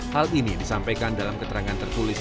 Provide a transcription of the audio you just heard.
hal ini disampaikan dalam keterangan tertulis